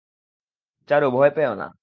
চারু, ভয় পেয়ো না।